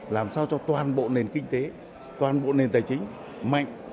làm sao cho toàn bộ nền kinh tế toàn bộ nền tài chính mạnh